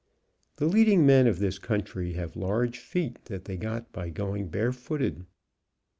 The lead ing men of this country have large feet that they got by going barefooted.